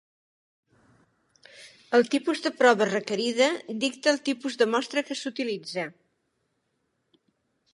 El tipus de prova requerida dicta el tipus de mostra que s'utilitza.